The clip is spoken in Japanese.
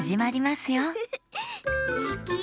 すてき！